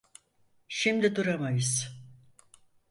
Şimdi duramayız.